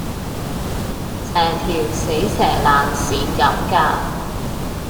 成條死蛇爛鱔咁㗎